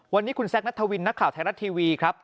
วันนี้คุณแซคนัทวินนักข่าวไทยรัฐทีวีครับ